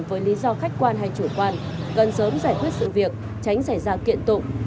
với lý do khách quan hay chủ quan gần sớm giải quyết sự việc tránh xảy ra kiện tụng